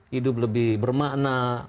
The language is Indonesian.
hidup lebih bermakna